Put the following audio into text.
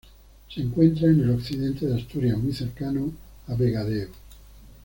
Se encuentra en el occidente de Asturias, muy cercano a Vegadeo.